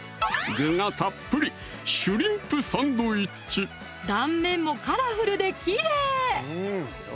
具がたっぷり断面もカラフルできれい！